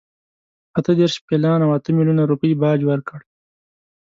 اته دېرش پیلان او اته میلیونه روپۍ باج ورکړ.